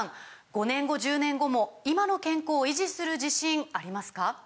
５年後１０年後も今の健康維持する自信ありますか？